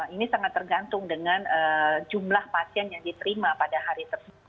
ini sangat tergantung dengan jumlah pasien yang diterima pada hari tersebut